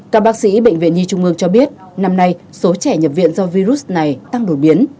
các bác sĩ bệnh viện nhi trung ương cho biết năm nay số trẻ nhập viện do virus này tăng đột biến